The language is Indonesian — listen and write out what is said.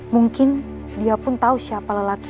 mungkin dia pun tahu siapa lelaki